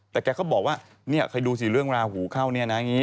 แต่แกก็บอกว่านี่อ่ะใครดูสิเรื่องลาหูเข้าเนี่ยนะ